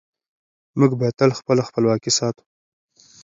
موږ به تل خپله خپلواکي ساتو.